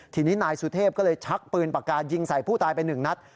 ทีนี้นายสุเทพก็เลยชักปืนปากกายิงใส่ผู้ตายไปหนึ่งนัด